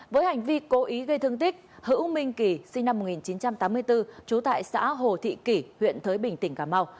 với hành vi cố ý gây thương tích hữu minh kỳ sinh năm một nghìn chín trăm tám mươi bốn trú tại xã hồ thị kỷ huyện thới bình tỉnh cà mau